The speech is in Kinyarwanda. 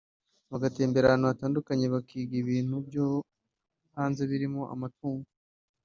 bagatembera ahantu hatandukanye bakiga ibintu byo hanze birimo amatungo